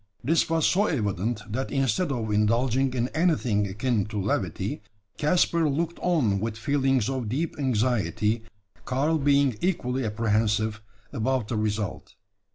This was so evident, that instead of indulging in anything akin to levity, Caspar looked on with feelings of deep anxiety, Karl being equally apprehensive about the result.